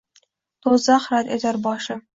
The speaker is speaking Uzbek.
Doʼzax rad etar loshim.